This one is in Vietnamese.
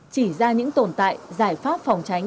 chỉ ra những tồn tại giải pháp phòng cháy